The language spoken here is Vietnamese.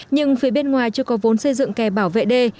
nhưng phía bên ngoài chưa có vốn xây dựng kè bảo vệ đê